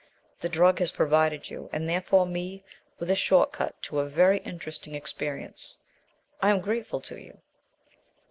The drug has provided you, and therefore me, with a short cut to a very interesting experience. I am grateful to you."